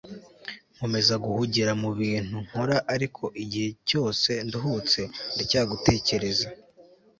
nkomeza guhugira mu bintu nkora ariko igihe cyose nduhutse, ndacyagutekereza